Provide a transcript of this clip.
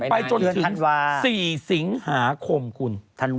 ไปจนถึง๔สิงหาคมคุณ